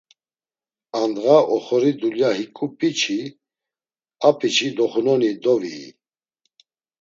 Andğa oxori dulya hiǩu p̌i-çi, apiçi doxunoni dovii.